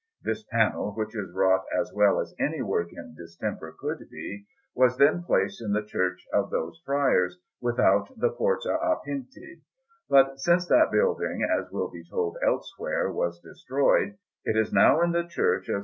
This panel, which is wrought as well as any work in distemper could be, was then placed in the church of those friars without the Porta a Pinti; but since that building, as will be told elsewhere, was destroyed, it is now in the Church of S.